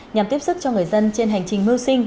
nhằm tiếp sức cho người dân trên hành trình mưu sinh